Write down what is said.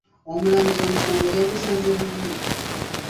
Omulamuzi omusanago yagusaze bubi.